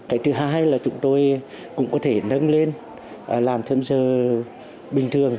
cái thứ hai là chúng tôi cũng có thể nâng lên làm thêm giờ bình thường